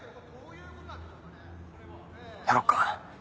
やろっか。